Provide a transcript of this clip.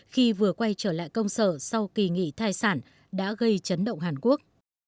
khi vừa quay trở lại công sở sau kỳ nghỉ thai sản đã gây chấn động hàn quốc